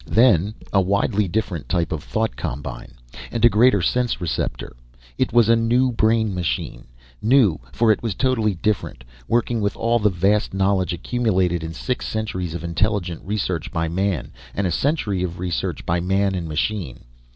Then a widely different type of thought combine, and a greater sense receptor. It was a new brain machine. New, for it was totally different, working with all the vast knowledge accumulated in six centuries of intelligent research by man, and a century of research by man and machine.